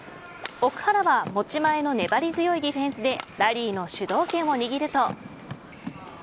奥原は持ち前の粘り強いディフェンスでラリーの主導権を握ると。